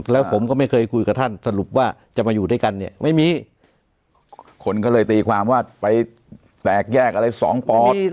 แล้วผมก็ไม่เคยคุยกับท่านสรุปว่าจะมาอยู่ด้วยกันเนี่ยไม่มีคนก็เลยตีความว่าไปแตกแยกอะไรสองปอด